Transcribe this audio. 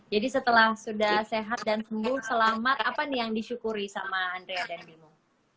jadi setelah sudah sehat dan sembuh selamat apa nih yang disyukuri sama andrea dan bimo